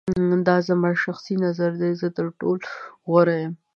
دا زما شخصی نظر دی. زه تر ټولو غوره یم.